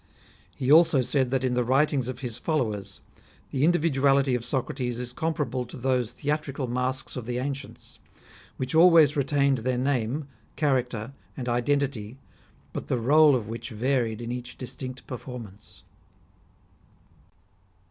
He also said that in the writings of his followers, the indi viduality of Socrates is comparable to those theatrical masks of the ancients, which always retained their name, character, and identity, but the role of which varied in each distinct performance.